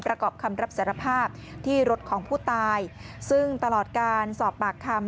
ประกอบคำรับสารภาพที่รถของผู้ตายซึ่งตลอดการสอบปากคำ